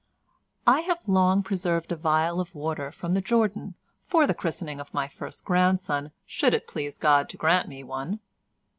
"I have long preserved a phial of water from the Jordan for the christening of my first grandson, should it please God to grant me one.